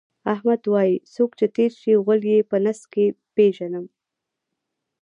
احمد وایي: څوک چې تېر شي، غول یې په نس کې پېژنم.